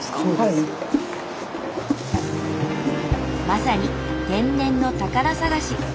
まさに天然の宝探し。